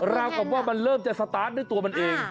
ราวกับว่ามันเริ่มจะสตาร์ทด้วยตัวมันเอง